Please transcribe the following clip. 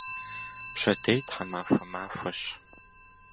Пщэдей тхьэмахуэ махуэщ.